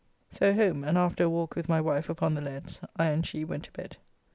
So home, and after a walk with my wife upon the leads, I and she went to bed.